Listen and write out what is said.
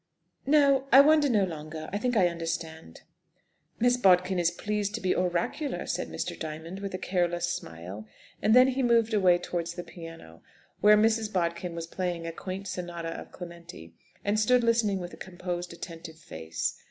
"No, I wonder no longer. I think I understand." "Miss Bodkin is pleased to be oracular," said Mr. Diamond, with a careless smile; and then he moved away towards the piano, where Mrs. Bodkin was playing a quaint sonata of Clementi, and stood listening with a composed, attentive face.